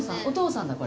お父さん？